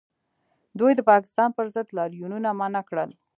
دوی د پاکستان پر ضد لاریونونه منع کړل